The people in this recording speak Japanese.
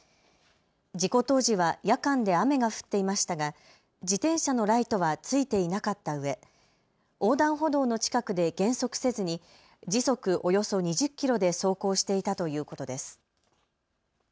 事故当時は夜間で雨が降っていましたが、自転車のライトはついていなかったうえ横断歩道の近くで減速せずに時速およそ２０キロで走行していたということです。